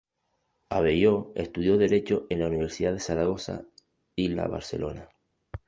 Abelló estudió derecho en la Universidad de Zaragoza y la Barcelona.